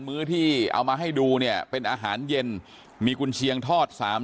ื้อที่เอามาให้ดูเนี่ยเป็นอาหารเย็นมีกุญเชียงทอด๓๐๐